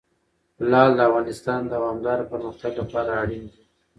لعل د افغانستان د دوامداره پرمختګ لپاره اړین دي.